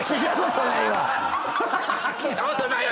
聞いたことないわ！